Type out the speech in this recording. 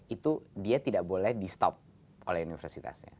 itu dia tidak boleh di stop oleh universitasnya